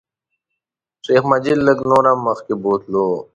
شیخ مجید لږ نور هم مخکې بوتلو.